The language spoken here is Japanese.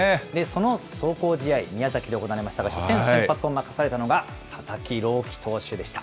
その壮行試合、宮崎で行われましたが、初戦、先発を任されたのが、佐々木朗希投手でした。